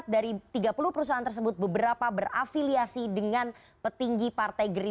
dari semua ini gitu